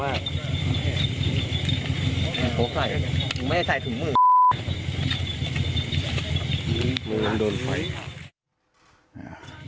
โหใส่ไม่ได้ใส่ถึงมือ